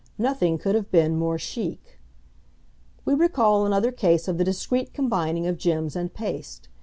Nothing could have been more chic. We recall another case of the discreet combining of gems and paste.